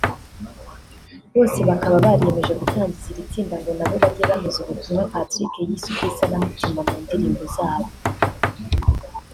Bose bakaba bariyemeje gutangiza iri tsinda ngo nabo bajye banyuza ubutumwa Patrick yise ubw’isanamitima mu ndirimbo zabo